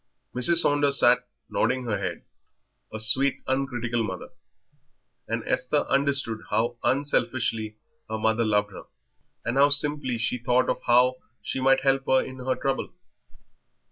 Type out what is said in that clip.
Mrs. Saunders sat nodding her head, a sweet, uncritical mother; and Esther understood how unselfishly her mother loved her, and how simply she thought of how she might help her in her trouble.